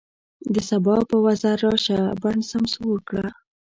د سبا په وزر راشه، بڼ سمسور کړه